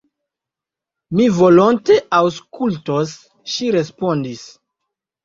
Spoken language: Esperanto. Mi volonte aŭskultos, ŝi respondis.